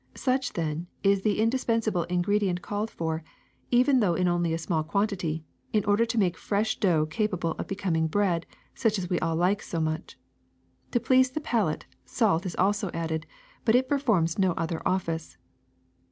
Such, then, is the indispensable ingredient called for, even though in only a small quantity, in order to make fresh dough capable of becoming bread such as we all like so much. To please the palate, salt is also added, but it performs no other office.